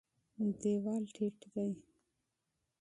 دېوال ټیټ دی.